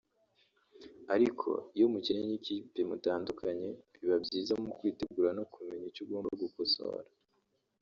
ariko iyo mukinnye n’ikipe mutandukanye biba byiza mu kwitegura no kumenya icyo ugomba gukosora